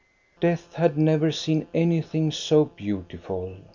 Death had never seen anything so beautiful.